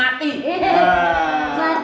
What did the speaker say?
aduh keluarga mampu